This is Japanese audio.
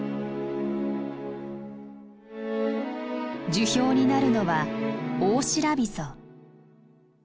樹氷になるのはオオシラビソ。